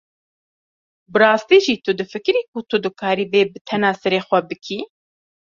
Bi rastî jî tu difikirî ku tu dikarî vê bi tena serê xwe bikî?